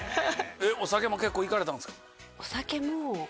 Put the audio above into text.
お酒も結構行かれたんですか？